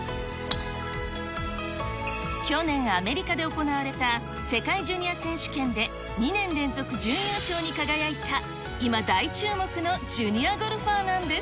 去年、アメリカで行われた世界ジュニア選手権で、２年連続準優勝に輝いた今、大注目のジュニアゴルファーなんです。